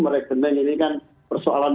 rekening ini kan persoalan